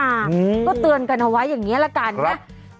อืมก็เตือนกันเอาไว้อย่างนี้ละกันนะ